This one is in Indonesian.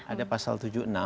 ada pasal tujuh puluh enam